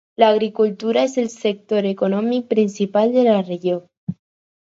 L'agricultura és el sector econòmic principal de la regió.